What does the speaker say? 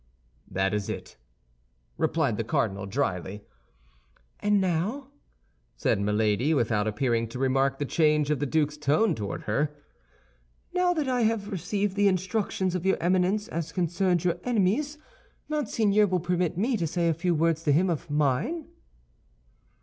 "That is it," replied the cardinal, dryly. "And now," said Milady, without appearing to remark the change of the duke's tone toward her—"now that I have received the instructions of your Eminence as concerns your enemies, Monseigneur will permit me to say a few words to him of mine?"